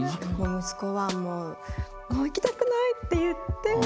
息子は「もう行きたくない！」って言って。